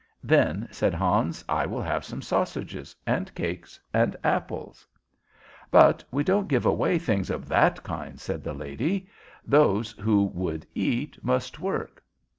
"Then," said Hans, "I will have some sausages and cake and apples." "But we don't give away things of that kind," said the lady. "Those who would eat must work."